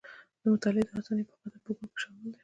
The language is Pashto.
د مطالعې د اسانۍ په خاطر په ګروپ کې شامل دي.